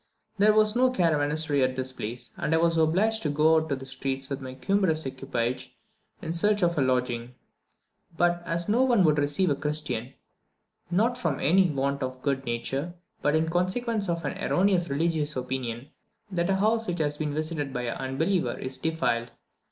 There was no caravansary at this place, and I was obliged to go about the streets with my cumbrous equipage in search of a lodging; but as no one would receive a Christian, not from any want of good nature, but in consequence of an erroneous religious opinion that a house which has been visited by an unbeliever is defiled.